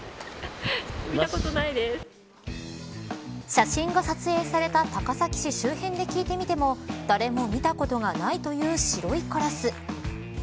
写真が撮影された高崎市で聞いてみても誰も見たことがないという白いカラス。